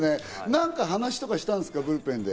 何か話をしたんですか？